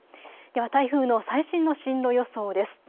では台風の最新の進路予想です。